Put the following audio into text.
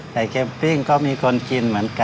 เค็มปิ้งก็มีคนกินเหมือนกัน